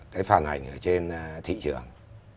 cái phản ảnh ở trên thị trường